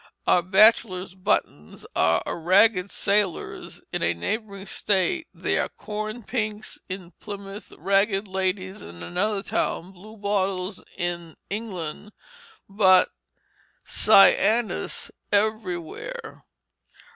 Our bachelor's buttons are ragged sailors in a neighboring state; they are corn pinks in Plymouth, ragged ladies in another town, blue bottles in England, but cyanus everywhere.